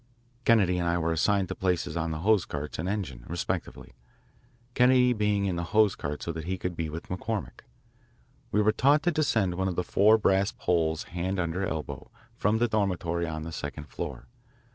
Kennedy and I were assigned to places on the hose cart and engine, respectively, Kennedy being in the hose cart so that he could be with McCormick. We were taught to descend one of the four brass poles hand under elbow, from the dormitory on the second floor.